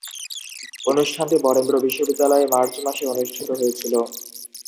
অনুষ্ঠানটি বরেন্দ্র বিশ্ববিদ্যালয়ে মার্চ মাসে অনুষ্ঠিত হয়েছিলো।